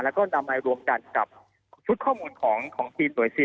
แล้วก็นำมารวมกันกับชุดข้อมูลของทีมหน่วยซิล